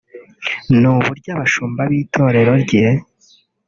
ni uburyo abashumba b’itorero rye